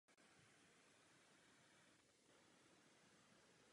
Poblíž Londýna byl významným sídlem venkovský dům Wimbledon Manor House.